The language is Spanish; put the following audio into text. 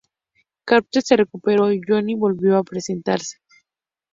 Carter se recuperó y Johnny volvió al presente.